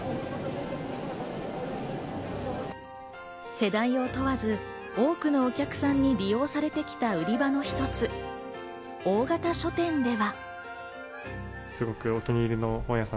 世代を問わず、多くのお客さんに利用されてきた売り場の一つ、大型書店では。